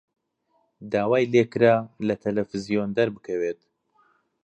داوای لێ کرا لە تەلەڤیزیۆن دەربکەوێت.